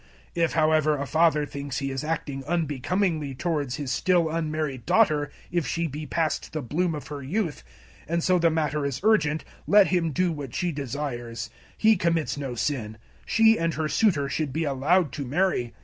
007:036 If, however, a father thinks he is acting unbecomingly towards his still unmarried daughter if she be past the bloom of her youth, and so the matter is urgent, let him do what she desires; he commits no sin; she and her suitor should be allowed to marry.